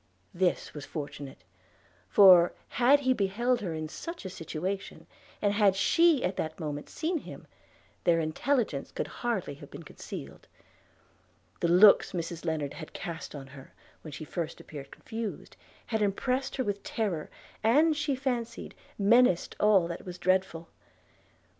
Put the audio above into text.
This was fortunate; for, had he beheld her in such a situation, and had she at that moment seen him, their intelligence could hardly have been concealed. The looks Mrs Lennard had cast on her, when she first appeared confused, had impressed her with terror, and, she fancied, menaced all that was dreadful.